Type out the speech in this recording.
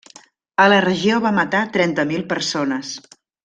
A la regió va matar trenta mil persones.